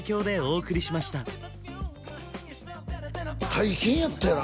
大変やったやろ？